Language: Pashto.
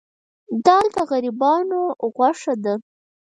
دال د غریبانو غوښه ده.